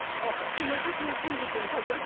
その先の真実にたどり着いた。